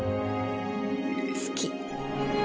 好き。